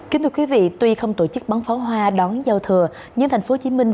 kính thưa quý vị tuy không tổ chức bóng pháo hoa đón giao thừa nhưng thành phố hồ chí minh